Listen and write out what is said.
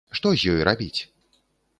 Што з ёй рабіць?